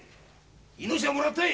命はもらったい。